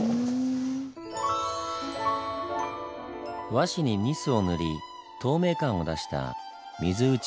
和紙にニスを塗り透明感を出した水うちわ。